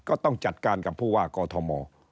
ก็ต้องจัดการกับผู้ว่ากอทม